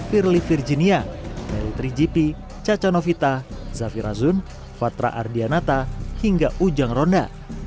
firly virginia meritri jipi cacanovita zafirazun fatra ardianata hingga ujang ronda